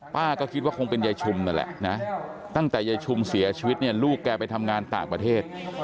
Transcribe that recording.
ป้าก็คิดว่าคงเป็นยายชุมนั่นแหละนะตั้งแต่ยายชุมเสียชีวิตเนี่ยลูกแกไปทำงานต่างประเทศ